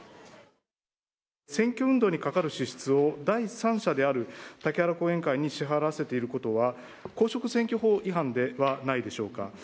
選挙運動にかかる支出を、第三者である竹原後援会に支払わせていることは、公職選挙法違反ではないでしょうか。